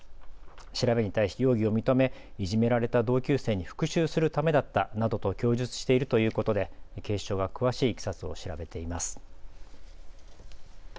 調べに対し容疑を認めいじめられた同級生に復しゅうするためだったなどと供述しているということで警視庁が詳しいいきさつを調べています。